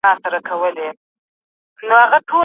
پوهه د انسان شخصیت ته معنویت بښي.